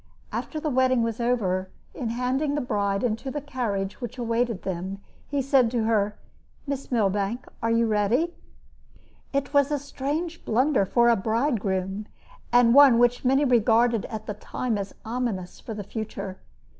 After the wedding was over, in handing his bride into the carriage which awaited them, he said to her: "Miss Millbanke, are you ready?" It was a strange blunder for a bridegroom, and one which many regarded at the time as ominous for the future.